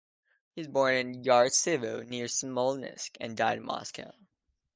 He was born in Yartsevo near Smolensk, and died in Moscow.